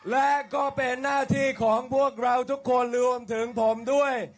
และก็เป็นหน้าที่ของพวกเราทุกคนรวมถึงผมด้วย